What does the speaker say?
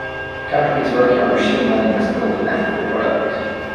Companies working on Machine Learning must build an ethical product.